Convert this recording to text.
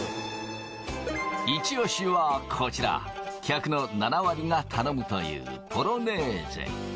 イチオシはこちら、客の７割が頼むというボロネーゼ。